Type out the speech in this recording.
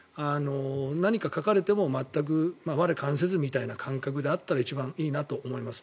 何か書かれても我関せずみたいな感覚であったら一番いいなと思います。